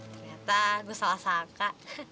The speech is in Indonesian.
ternyata gue salah sangka